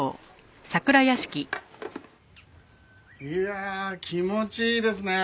いやあ気持ちいいですねえ。